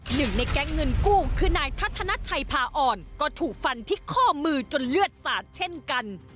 หนึ่งในแก๊งเงินกู้คือนายทัศนชัยพาอ่อนก็ถูกฟันที่ข้อมือจนเลือดสาดเช่นกัน